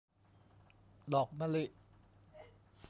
ดอกมะลิ